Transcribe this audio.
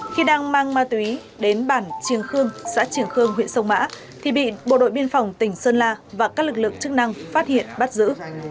khi đang mang ma túy đến bản trường khương xã trường khương huyện sông mã thì bị bộ đội biên phòng tỉnh sơn la và các lực lượng chức năng phát hiện bắt giữ